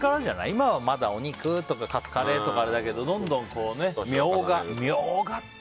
今はお肉とかカツカレーとかだけどどんどん年を取って。